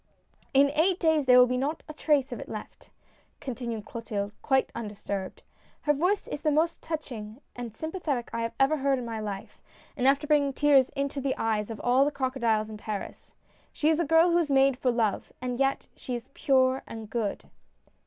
" In eight days, there will not be a trace of it left," continued Clotilde, quite undisturbed. " Her voice is the most touching and sympathetic I ever heard in my life — enough to bring tears into the eyes of all the crocodiles in Paris. She is a girl who is made for love, and yet she is pure and good."